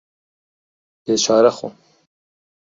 بێچارە خۆم